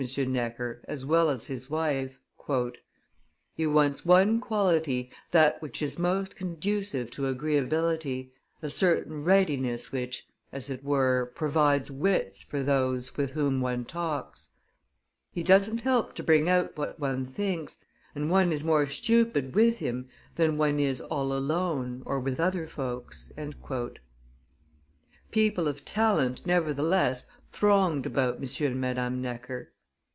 Necker as well as his wife "He wants one quality, that which is most conducive to agreeability, a certain readiness which, as it were, provides wits for those with whom one talks; he doesn't help to bring out what one thinks, and one is more stupid with him than one is all alone or with other folks." People of talent, nevertheless, thronged about M. and Madame Necker.